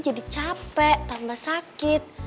jadi capek tambah sakit